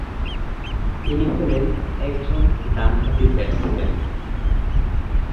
তিনি হলেন একজন ডান হাতি ব্যাটসম্যান।